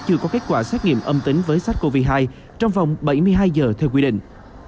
chưa có kết quả xét nghiệm âm tính với sars cov hai trong vòng bảy mươi hai giờ theo quy định